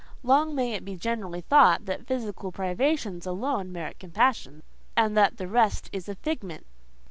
Long may it be generally thought that physical privations alone merit compassion, and that the rest is a figment.